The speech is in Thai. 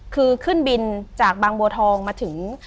คือขึ้นบินจากบางบัวทองมาถึง